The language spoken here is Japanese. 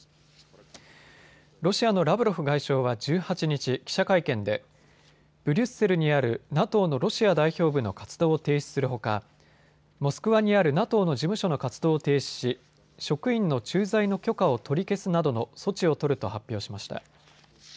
ロシアのラブロフ外相は１８日、記者会見でブリュッセルにあるＮＡＴＯのロシア代表部の活動を停止するほかモスクワにあるＮＡＴＯの事務所の活動を停止し職員の駐在の許可を取り消すなどの措置を取ると発表しました。